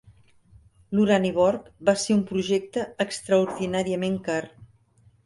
L'Uraniborg va ser un projecte extraordinàriament car.